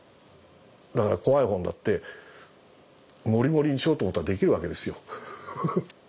だから怖い本だって盛り盛りにしようと思ったらできるわけですよ。